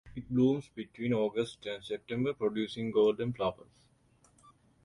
It blooms between August and September producing golden flowers.